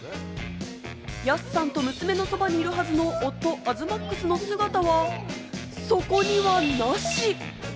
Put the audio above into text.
安さんと娘のそばにいるはずの夫・東ＭＡＸの姿は、そこにはなし！